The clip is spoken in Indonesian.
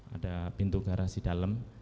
ada pintu garasi dalam